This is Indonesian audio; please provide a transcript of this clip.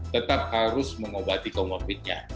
tetap harus mengobati komorbitnya